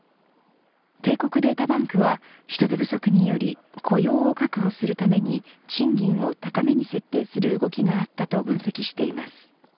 帝国データバンクは人手不足により雇用を確保するために賃金を高めに設定する動きがあったと分析しています。